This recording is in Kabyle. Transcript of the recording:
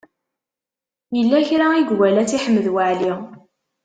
Yella kra i iwala Si Ḥmed Waɛli.